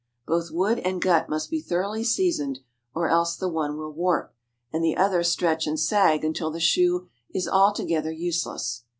Both wood and gut must be thoroughly seasoned, or else the one will warp, and the other stretch and sag until the shoe is altogether useless.